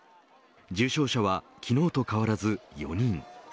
重症者は昨日と変わらず４人。